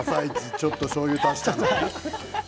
ちょっとしょうゆを足した。